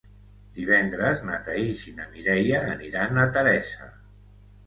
Divendres na Thaís i na Mireia aniran a Teresa.